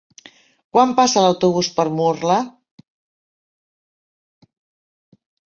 Quan passa l'autobús per Murla?